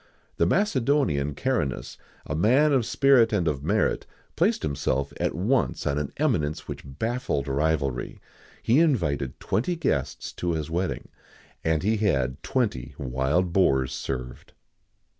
[XIX 69] The Macedonian, Caranus, a man of spirit and of merit, placed himself at once on an eminence which baffled rivalry. He invited twenty guests to his wedding, and he had twenty wild boars served.